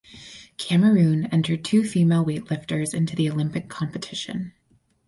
Cameroon entered two female weightlifters into the Olympic competition.